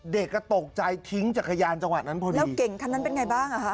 เด็กก็ตกใจทิ้งจักรยานจังหวะนั้นพอดี